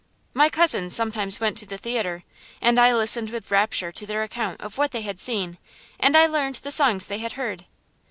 My cousins sometimes went to the theatre, and I listened with rapture to their account of what they had seen, and I learned the songs they had heard.